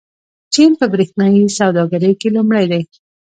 چین په برېښنايي سوداګرۍ کې لومړی دی.